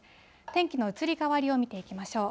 天気の移り変わりを見ていきましょう。